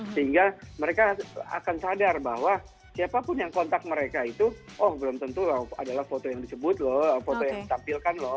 sehingga mereka akan sadar bahwa siapapun yang kontak mereka itu oh belum tentu adalah foto yang disebut loh foto yang ditampilkan loh